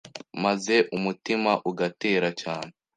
maze umutima ugatera cyane,